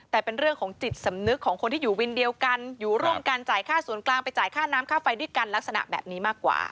แต่เป็นเรื่องของจิตสำนึกของคนที่อยู่วินเดียวกันอยู่ร่วมกันจ่ายค่าส่วนกลางไปจ่ายค่าน้ำค่าไฟด้วยกันลักษณะแบบนี้มากกว่า